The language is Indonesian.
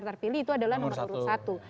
terpilih itu adalah nomor urut satu